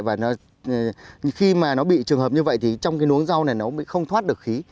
và khi mà nó bị trường hợp như vậy thì trong cái nống rau này nó mới không thoát được khí